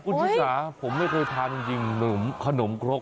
คุณศีรษะผมไม่เคยทานจริงหนุ่มขนมครก